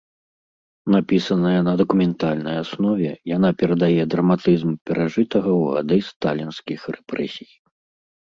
Напісаная на дакументальнай аснове, яна перадае драматызм перажытага ў гады сталінскіх рэпрэсій.